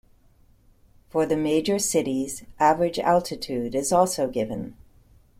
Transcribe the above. For the major cities, average altitude is also given.